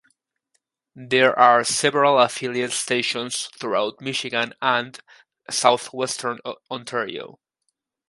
There are several affiliate stations throughout Michigan and Southwestern Ontario.